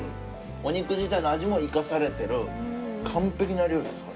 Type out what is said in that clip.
お肉自体の味も生かされてる完璧な料理です